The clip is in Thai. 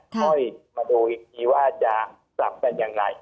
ค่อยมาดูอีกทีว่าจะสรรพันธ์เป็นอย่างไร